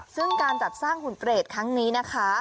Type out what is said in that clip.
ซึ่งการจัดสร้างหุ่นเปรตครั้งนี้นะคะ